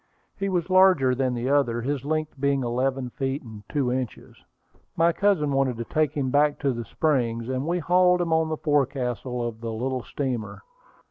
He was larger than the other, his length being eleven feet and two inches. My cousin wanted to take him back to the Springs, and we hauled him on the forecastle of the little steamer.